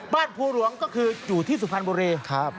บ้านภูรวงศ์ก็คืออยู่ที่สุพรณบุรี